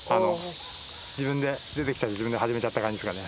自分で出てきて自分で始めちゃった感じですかね。